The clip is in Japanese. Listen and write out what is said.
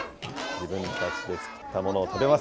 自分たちで作ったものを食べます。